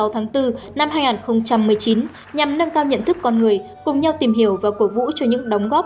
hai mươi tháng bốn năm hai nghìn một mươi chín nhằm nâng cao nhận thức con người cùng nhau tìm hiểu và cổ vũ cho những đóng góp